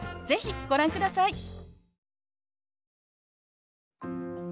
是非ご覧ください。